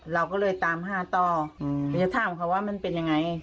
เราก็เลยตามหาต่อหรือจะถามเขาว่ามันเป็นยังไง